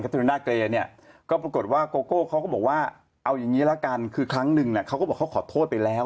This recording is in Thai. ขอโทษอีกเนี่ยเขาก็บอกว่ามันไม่ใช่แหละเพราะเขาขอโทษไปแล้ว